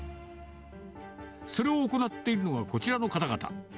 それを行っているのは、こちらの方々。